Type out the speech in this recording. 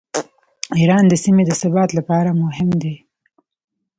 ایران د سیمې د ثبات لپاره مهم دی.